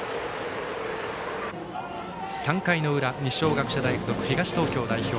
３回の裏、二松学舎大付属東東京代表